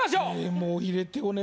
もう入れてお願い。